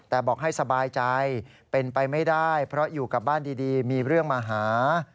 แต่บอกให้สบายใจเป็นไปไม่ได้เพราะอยู่กับบ้านดีมีเรื่องมาหา